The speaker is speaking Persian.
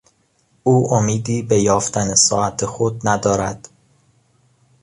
او امیدی به یافتن ساعت خود ندارد.